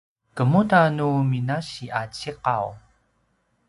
kemuda nu minasi a ciqaw?